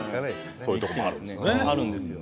そういうとこもあるんですよね。